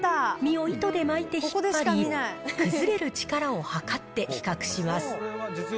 身を糸で巻いて引っ張り、崩れる力を測って比較します。